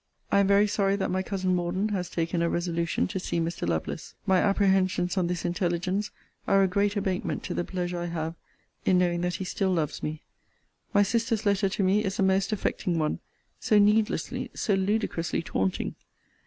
I am very sorry that my cousin Morden has taken a resolution to see Mr. Lovelace. My apprehensions on this intelligence are a great abatement to the pleasure I have in knowing that he still loves me. My sister's letter to me is a most affecting one so needlessly, so ludicrously taunting!